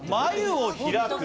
眉を開く！？